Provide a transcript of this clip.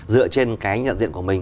dựa trên cái nhận diện của mình